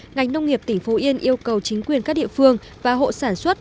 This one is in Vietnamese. ngành nông nghiệp tỉnh phú yên yêu cầu chính quyền các địa phương và hộ sản xuất